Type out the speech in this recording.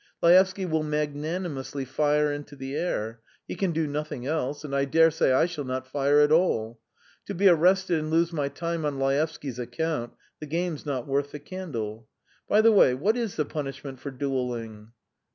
Laevsky will magnanimously fire into the air he can do nothing else; and I daresay I shall not fire at all. To be arrested and lose my time on Laevsky's account the game's not worth the candle. By the way, what is the punishment for duelling?"